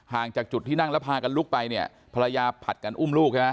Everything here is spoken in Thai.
ห่างจากจุดที่นั่งแล้วพากันลุกไปภรรยาผลัดกันอุ้มลูก